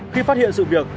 khi phát hiện sự việc